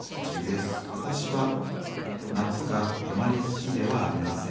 「私は夏があまり好きではありません。